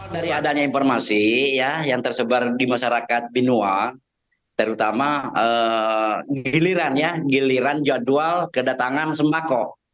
dari adanya informasi yang tersebar di masyarakat binoa terutama giliran jadwal kedatangan sembako